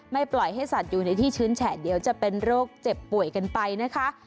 ปล่อยให้สัตว์อยู่ในที่ชื้นแฉะเดี๋ยวจะเป็นโรคเจ็บป่วยกันไปนะคะ